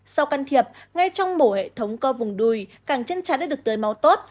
sau can thiệp ngay trong mổ hệ thống co vùng đùi càng chân trái đã được tưới máu tốt